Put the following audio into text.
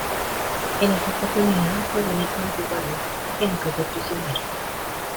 En esa oportunidad fue el único de su guarnición que no cayó prisionero.